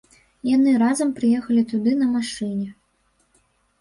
Яны разам прыехалі туды на машыне.